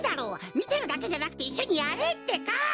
みてるだけじゃなくていっしょにやれってか！